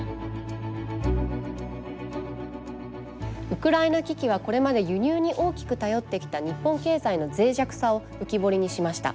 ウクライナ危機はこれまで輸入に大きく頼ってきた日本経済の脆弱さを浮き彫りにしました。